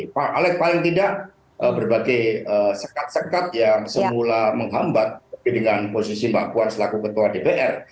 pak alex paling tidak berbagai sekat sekat yang semula menghambat tapi dengan posisi mbak puan selaku ketua dpr